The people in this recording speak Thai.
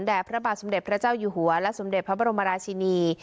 พระบาทสมเด็จพระเจ้าอยู่หัวและสมเด็จพระบรมราชินี